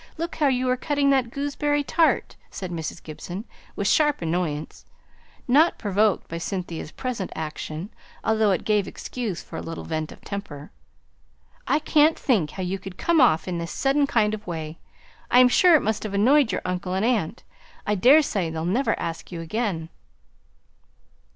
Look how you are cutting that gooseberry tart," said Mrs. Gibson, with sharp annoyance; not provoked by Cynthia's present action, although it gave excuse for a little vent of temper. "I can't think how you could come off in this sudden kind of way; I am sure it must have annoyed your uncle and aunt. I daresay they'll never ask you again."